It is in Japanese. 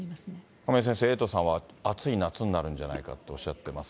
亀井先生、エイトさんはあつい夏になるんじゃないかとおっしゃってます